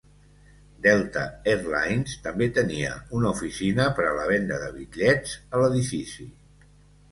Delta Air Lines també tenia una oficina per a la venda de bitllets a l'edifici.